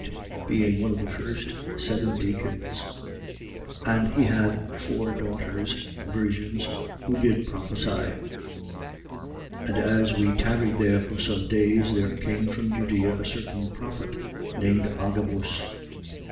being one of the first seven deacons. 21:9. And he had four daughters, virgins, who did prophesy. 21:10. And as we tarried there for some days, there came from Judea a certain prophet, named Agabus.